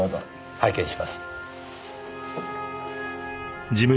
拝見します。